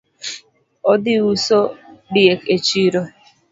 Odhi uso diek e chiro